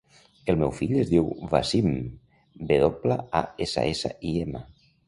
El meu fill es diu Wassim: ve doble, a, essa, essa, i, ema.